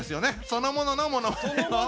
そのもののものまねを。